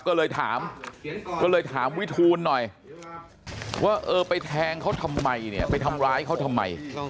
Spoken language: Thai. ก็เลยถามก็เลยถามวิทูลหน่อยว่าเออไปแทงเขาทำไมเนี่ยไปทำร้ายเขาทำไม